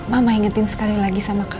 mama ingetin sekali lagi sama kak